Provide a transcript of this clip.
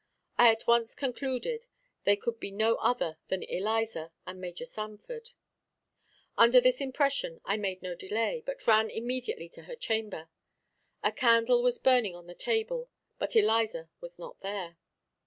I at once concluded they could be no other than Eliza and Major Sanford. Under this impression I made no delay, but ran immediately to her chamber. A candle was burning on the table, but Eliza was not there.